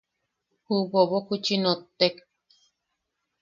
Ju bobok juchi nottek.